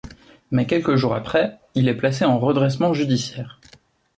Mais quelques jours après il est placé en redressement judiciaire.